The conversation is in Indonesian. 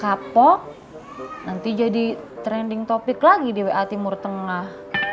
eh si makapo nanti jadi trending topic lagi di wa timur tengah